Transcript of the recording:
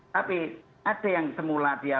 tapi ada yang percaya pada hoax